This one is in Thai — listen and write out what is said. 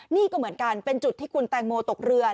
นี่ก็เหมือนกันเป็นจุดที่คุณแตงโมตกเรือ